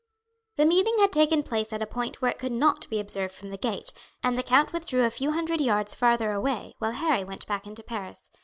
The meeting had taken place at a point where it could not be observed from the gate, and the count withdrew a few hundred yards farther away while Harry went back into Paris.